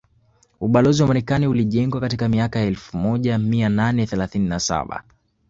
Ubalozi wa Marekani ulijengwa katika miaka ya elfu moja mia nane thelathini na saba